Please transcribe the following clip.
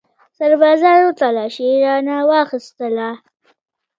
سربازانو تلاشي رانه واخیستله.